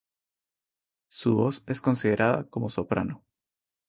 Su voz es considerada como soprano.